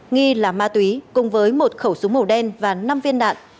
nghi là ma túy cùng với một khẩu súng màu đen và năm viên đạn